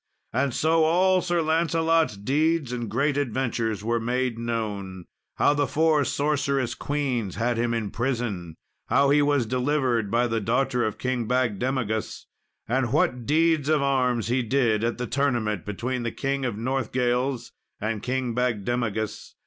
And so all Sir Lancelot's deeds and great adventures were made known; how the four sorceress queens had him in prison; how he was delivered by the daughter of King Bagdemagus, and what deeds of arms he did at the tournament between the King of North Wales and King Bagdemagus.